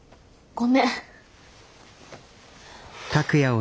ごめん！